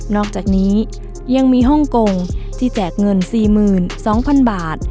อกจากนี้ยังมีฮ่องกงที่แจกเงิน๔๒๐๐๐บาท